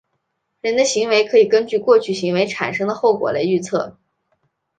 人的行为可以根据过去行为产生的后果来预测。